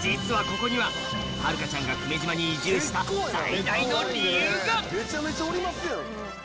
実はここには春佳ちゃんが久米島に移住した最大の理由が！え？